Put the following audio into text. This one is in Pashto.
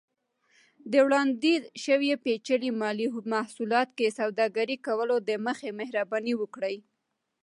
د وړاندیز شوي پیچلي مالي محصولاتو کې سوداګرۍ کولو دمخه، مهرباني وکړئ